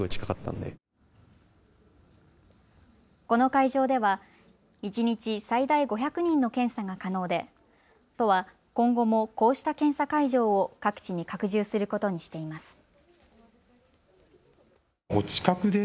この会場では一日最大５００人の検査が可能で都は今後もこうした検査会場を各地に拡充することにしています。